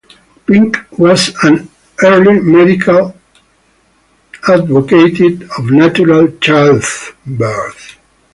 Pink was an early medical advocate of natural childbirth.